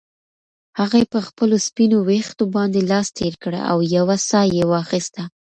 هغې په خپلو سپینو ویښتو باندې لاس تېر کړ او یوه ساه یې واخیسته.